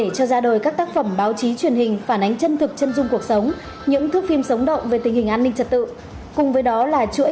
xin chào và hẹn gặp lại